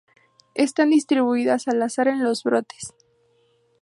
Están distribuidas al azar en los brotes.